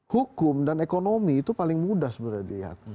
hukum dan ekonomi itu paling mudah sebenarnya dilihat